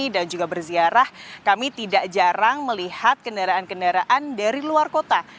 dan juga bersiarah kami tidak jarang melihat kendaraan kendaraan dari luar kota